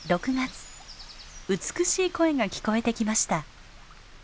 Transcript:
美しい声が聞こえてきました。